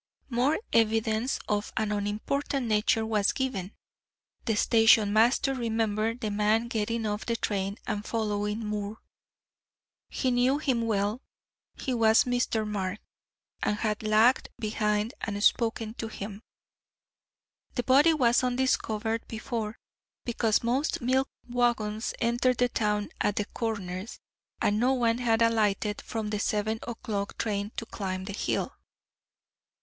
More evidence, of an unimportant nature, was given. The station master remembered the man getting off the train and following Moore. He knew him well; he was Mr. Mark, and had lagged behind and spoken to him. The body was undiscovered before, because most milk wagons entered the town at the Corners, and no one had alighted from the seven o'clock train to climb the hill.